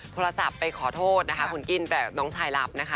โทรศัพท์ไปขอโทษนะคะคุณกิ้นแต่น้องชายรับนะคะ